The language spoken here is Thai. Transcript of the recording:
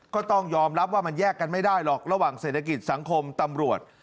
ก็ต้องยอมรับว่ามันแยกกันไม่ได้หรอกระหว่างเศรษฐกิจสังคมตำรวจ